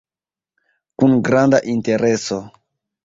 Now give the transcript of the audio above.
Kun granda intereso.